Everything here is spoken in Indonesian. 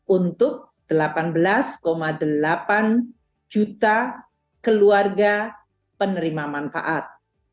untuk delapan belas delapan juta keluarga penerima manfaat